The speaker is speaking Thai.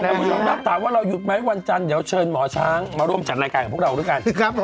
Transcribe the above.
คุณผู้ชมครับถามว่าเราหยุดไหมวันจันทร์เดี๋ยวเชิญหมอช้างมาร่วมจัดรายการกับพวกเราด้วยกัน